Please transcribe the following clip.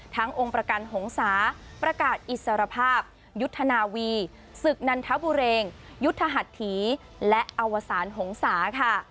องค์ประกันหงษาประกาศอิสรภาพยุทธนาวีศึกนันทบุรียุทธหัสถีและอวสารหงษาค่ะ